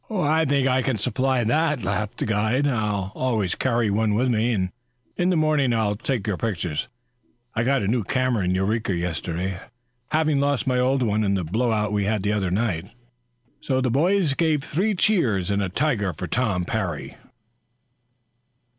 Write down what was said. "I think I can supply that," laughed the guide. "I always carry one with me. In the morning I'll take your pictures. I got a new camera in Eureka yesterday, having lost my old one in the blow out we had the other night." The boys gave three cheers and a tiger for Tom Parry.